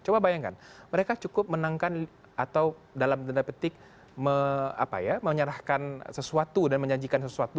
coba bayangkan mereka cukup menangkan atau dalam tanda petik menyerahkan sesuatu dan menjanjikan sesuatu